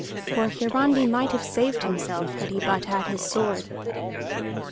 For Hiarandi might have saved himself had he but had his sword.